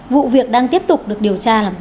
vụ việc đang tiếp tục được điều tra làm rõ